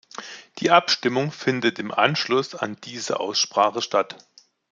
Die Abstimmung findet im Anschluss an diese Aussprache statt.